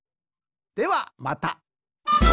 ではまた！